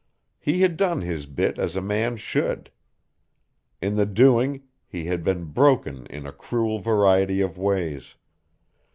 He had done his bit as a man should. In the doing he had been broken in a cruel variety of ways.